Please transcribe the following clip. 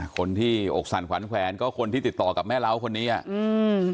คนที่อกสั่นขวัญแขวนก็คนที่ติดต่อกับแม่เล้าคนนี้อ่ะอืม